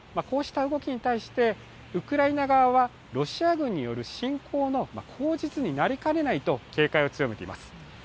こうした動きに対して、ウクライナ側はロシア軍による侵攻の口実になりかねないと警戒を強めています。